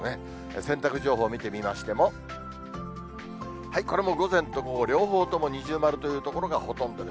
洗濯情報を見てみましても、これも午前と午後両方とも二重丸という所がほとんどです。